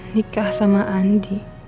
nikah sama andi